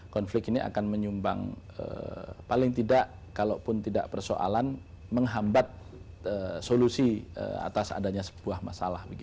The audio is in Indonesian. konflik ini akan menyumbang paling tidak kalaupun tidak persoalan menghambat solusi atas adanya sebuah masalah